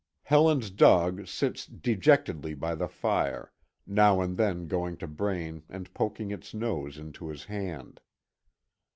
Helen's dog sits dejectedly by the fire, now and then going to Braine and poking its nose into his hand.